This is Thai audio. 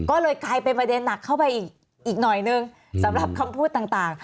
ก็เลยกลายเป็นประเด็นหนักเข้าไปอีกหน่อยนึงสำหรับคำพูดต่าง